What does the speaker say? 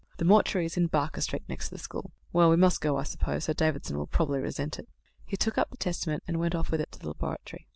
The mortuary is in Barker Street, next to the school.' Well, we must go, I suppose, though Davidson will probably resent it." He took up the Testament, and went off with it to the laboratory.